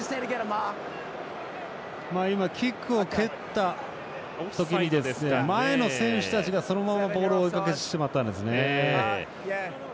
今、キックを蹴った時に前の選手たちがそのままボールを追いかけてしまったんですね。